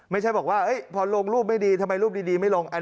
ไม่ใช่บอกว่าพอลงรูปไม่ดีทำไมรูปดีไม่ลง